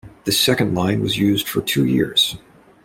This second line was used for two years.